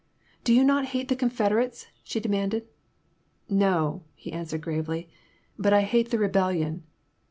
Do you not hate the Confederates?" she demanded. No," he answered, gravely, but I hate the rebellion."